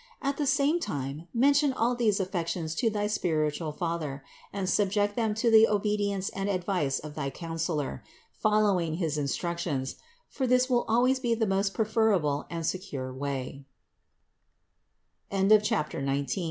At the same time mention all these affections to thy spiritual father and subject them to the obedience and advice of thy counselor, following his instructions : for this will always be the most preferable and secure way. CHAPTER XX.